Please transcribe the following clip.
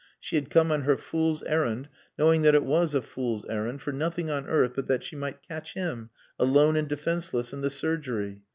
She had come on her fool's errand, knowing that it was a fool's errand, for nothing on earth but that she might catch him, alone and defenseless, in the surgery.